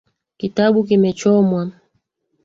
Kitabu kimechomwa